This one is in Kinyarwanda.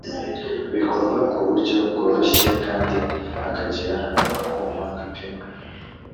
bikorwa ku buryo bworoshye kandi hakagira akuma gapima